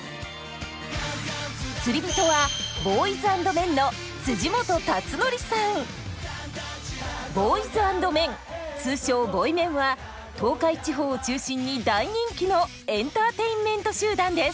釣り人はＢＯＹＳＡＮＤＭＥＮ通称ボイメンは東海地方を中心に大人気のエンターテインメント集団です。